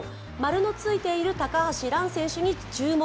○のついている高橋藍選手に注目。